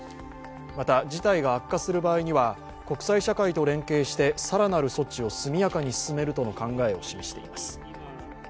また、事態が悪化する場合には国際社会と連携して更なる措置を速やかに進めるとの考えを示しています。